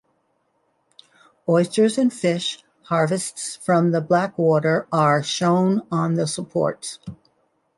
Oysters and fish, harvests from the Blackwater, are shown on the supports.